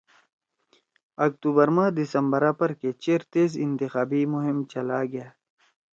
اکتوبر ما دسمبرا پرکے چیر تیز انتخابی مہم چلآ گأ